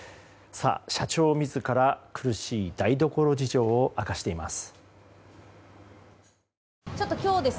社長自ら苦しい台所事情を明かしています。